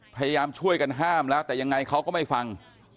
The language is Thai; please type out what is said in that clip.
พยายามช่วยกันห้ามแล้วแต่ยังไงเขาก็ไม่ฟัง